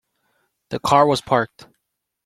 The car was parked.